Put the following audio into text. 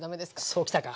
そう来たか！